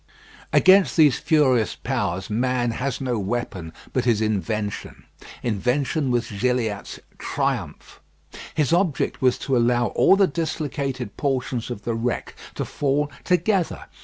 Against these furious powers man has no weapon but his invention. Invention was Gilliatt's triumph. His object was to allow all the dislocated portions of the wreck to fall together.